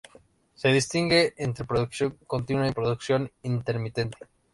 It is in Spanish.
Se distingue entre producción continua y producción intermitente.